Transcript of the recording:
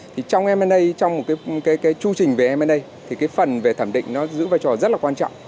trong m a trong một chưu trình về m a phần về thẩm định giữ vai trò rất là quan trọng